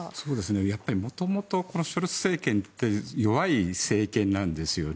やっぱり、元々このショルツ政権って弱い政権なんですよね。